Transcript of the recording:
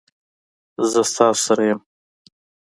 زه ستاسو سره یم